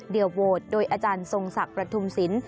เดี๋ยวโหวตโดยอาจารย์ทรงศักดิ์ประทุมศิลป